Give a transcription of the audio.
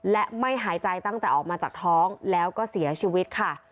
และไม่หายใจตั้งแต่ออกมาจากท้องแล้วก็เสียชีวิตค่ะ